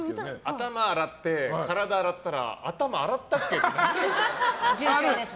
頭洗って体洗ったら頭洗ったっけ？みたいな。